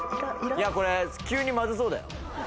いやこれ急にまずそうだよ。